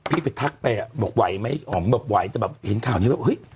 พี่ไปทักไปบอกไว้ไหมออ๋อมบอกไว้แต่เห็นข่าวเลยเห้ย